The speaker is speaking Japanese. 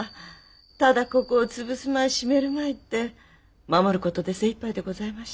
ただここをつぶすまい閉めるまいって守る事で精いっぱいでございました。